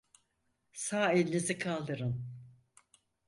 Sağ elinizi kaldırın.